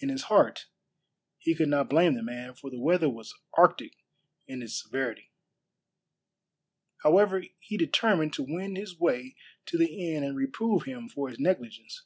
In his heart he could not blame the man, for the weather was arctic in its severity. However, he determined to wend his way to the inn and reprove him for his negligence.